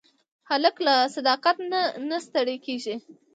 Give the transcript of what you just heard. هلک له صداقت نه نه ستړی کېږي.